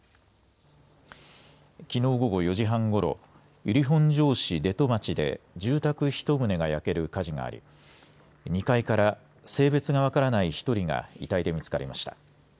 きのう午後４時半ごろ、由利本荘市出戸町で住宅１棟が焼ける火事があり２階から性別が分からない１人が遺体で見つかりました。